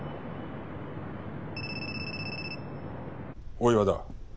大岩だ。